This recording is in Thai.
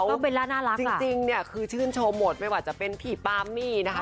เพราะเบลล่าน่ารักอะจริงคือชื่นโชว์หมดไม่ว่าจะเป็นพี่ป๊ามมี่นะคะ